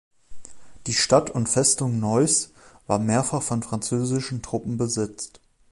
Die Stadt und Festung Neuss war mehrfach von französischen Truppen besetzt.